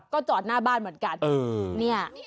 ก็จอดหน้าบ้านเหมือนกัน